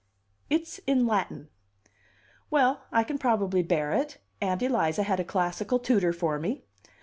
"It's in Latin." "Well, I can probably bear it. Aunt Eliza had a classical tutor for me."